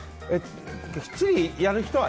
きっちりやる人は。